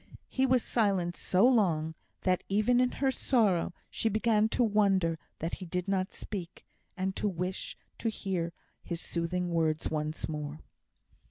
He was silent so long, that even in her sorrow she began to wonder that he did not speak, and to wish to hear his soothing words once more.